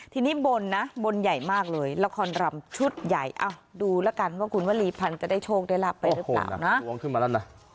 ทีนี้บนนะบนใหญ่มากเลยละครรำชุดใหญ่ดูแล้วกันว่าคุณวลีพันธ์จะได้โชคได้รับไปหรือเปล่านะลวงขึ้นมาแล้วนะ